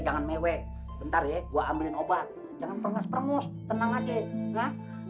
jangan mewek bentar ya gua ambil obat jangan perngas pengus tenang aja